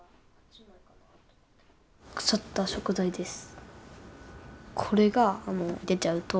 腐った食材です。